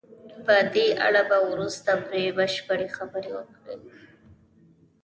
په دې اړه به وروسته پرې بشپړې خبرې وکړو.